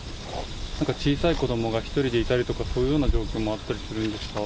なんか小さい子どもが１人でいたりとか、そういうような状況もあったりするんですか？